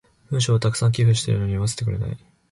文章を沢山寄付してるのに読ませてくれない。